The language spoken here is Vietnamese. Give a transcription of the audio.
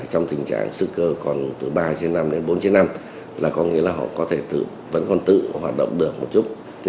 trong tình trạng sư cơ còn từ ba bốn năm là có nghĩa là họ vẫn còn tự hoạt động được một chút